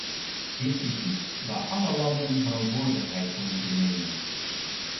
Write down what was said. Dit is iets waar alle landen verantwoordelijkheid voor moeten nemen.